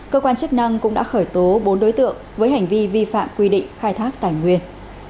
cơ quan chức năng cũng đã khởi tố bốn đối tượng với hành vi vi phạm quy định khai thác tài nguyên